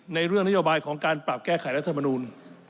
ในเรื่องนโยบายของการปรับแก้ไขรัฐมนูล